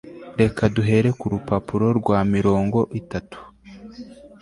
reka duhere ku rupapuro rwa mirongo itatu